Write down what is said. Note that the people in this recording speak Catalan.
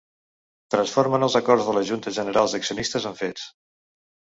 Transformen els acords de les juntes generals d'accionistes en fets.